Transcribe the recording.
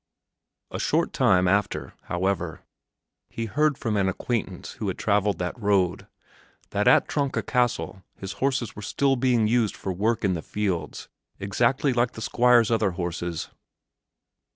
A short time after, however, he heard from an acquaintance who had traveled that road, that at Tronka Castle his horses were still being used for work in the fields exactly like the Squire's other horses.